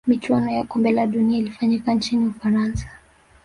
michuano ya kombe la dunia ilifanyika nchini ufaransa